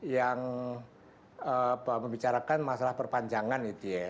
yang membicarakan masalah perpanjangan